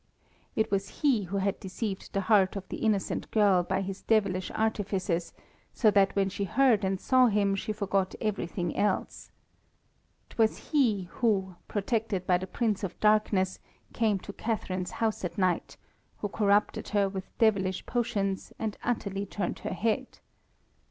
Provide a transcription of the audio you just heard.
It was he who had deceived the heart of the innocent girl by his devilish artifices, so that when she heard and saw him she forgot everything else. 'Twas he who, protected by the Prince of Darkness, came to Catharine's house at night, who corrupted her with devilish potions, and utterly turned her head.